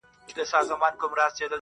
چي هر څه یې وي زده کړي په کلونو -